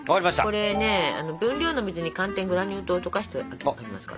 これね分量の水に寒天グラニュー糖を溶かしておきました。